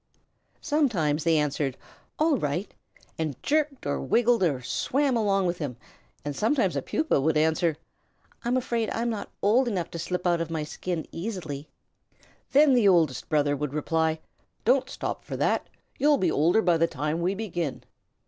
Sometimes they answered, "All right," and jerked or wiggled or swam along with him, and sometimes a Pupa would answer, "I'm afraid I'm not old enough to slip out of my skin easily." Then the Oldest Brother would reply, "Don't stop for that. You'll be older by the time we begin."